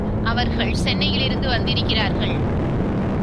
அவர்கள் சென்னையிலிருந்து வந்திருக்கிறார்கள்.